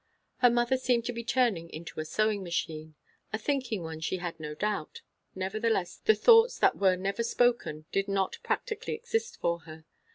Her mother seemed to be turned into a sewing machine; a thinking one, she had no doubt, nevertheless the thoughts that were never spoken did not practically exist for her.